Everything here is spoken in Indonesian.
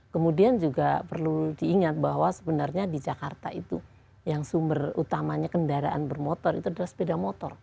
kemudian juga perlu diingat bahwa sebenarnya di jakarta itu yang sumber utamanya kendaraan bermotor itu adalah sepeda motor